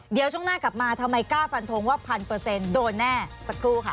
เดี๋ยวช่วงหน้ากลับมาทำไมกล้าฟันทงว่า๑๐๐โดนแน่สักครู่ค่ะ